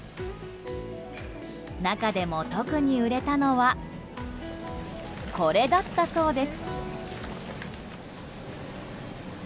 中でも、特に売れたのはこれだったそうです。